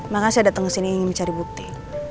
makanya saya datang kesini ingin mencari bukti